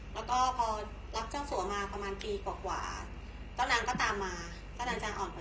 แล้วก็พอรับเจ้าสัวมาประมาณปีกว่าเจ้านางก็ตามมาเจ้านางจะอ่อนกว่าเจ้าสัว๑ปี